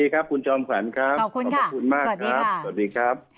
เข้าใจครับ